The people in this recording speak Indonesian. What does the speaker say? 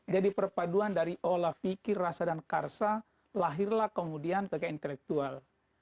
jadi perpaduan dari olah fikir rasa dan karsa lahirlah kemudian ke ke intelektual